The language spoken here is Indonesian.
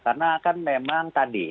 karena kan memang tadi